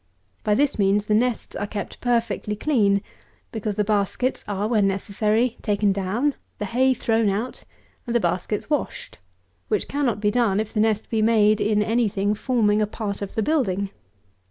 By this means the nests are kept perfectly clean, because the baskets are, when necessary, taken down, the hay thrown out, and the baskets washed; which cannot be done, if the nest be made in any thing forming a part of the building.